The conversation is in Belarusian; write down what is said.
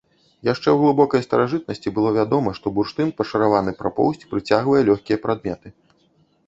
Яшчэ ў глыбокай старажытнасці было вядома, што бурштын, пашараваны пра поўсць, прыцягвае лёгкія прадметы.